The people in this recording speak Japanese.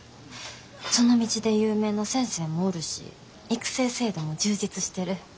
その道で有名な先生もおるし育成制度も充実してる。